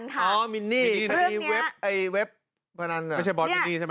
ข่าวมินนี่หน่อยละกันค่ะ